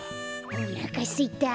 おなかすいた。